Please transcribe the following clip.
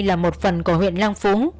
là một phần của huyện lang phú